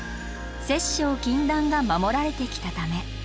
「殺生禁断」が守られてきたため。